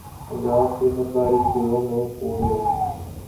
پنجاب کے سرکاری سکولوں میں سکول میل